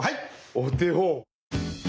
お手本！